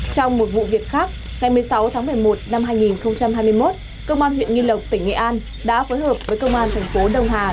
trong một vụ việc khác ngày một mươi sáu tháng một mươi một năm hai nghìn hai mươi một công an huyện nghi lộc tỉnh nghệ an đã phối hợp với công an thành phố đông hà